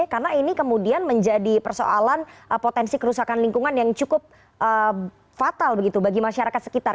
karena ini kemudian menjadi persoalan potensi kerusakan lingkungan yang cukup fatal begitu bagi masyarakat sekitar